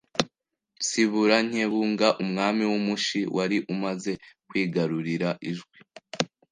Nsibura Nyebunga Umwami w’umushi wari umaze kwigarurira Ijwi